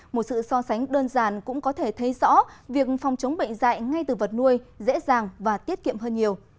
một sự so sánh đơn giản cũng có thể thấy rõ việc phòng chống bệnh dạy ngay từ vật nuôi dễ dàng và tiết kiệm hơn nhiều